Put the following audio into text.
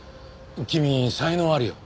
君才能あるよ。